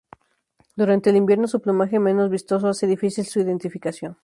Durante el invierno, su plumaje menos vistoso hace difícil su identificación.